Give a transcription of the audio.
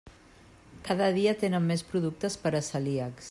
Cada dia tenen més productes per a celíacs.